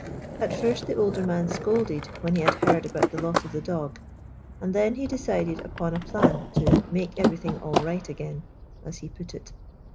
At first the older man scolded, when he had heard about the loss of the dog, and then he de cided upon a plan to "make everything all right again," as he put it.